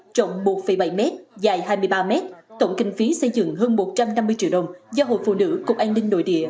trọng một bảy m dài hai mươi ba m tổng kinh phí xây dựng hơn một trăm năm mươi triệu đồng do hội phụ nữ cục an ninh nội địa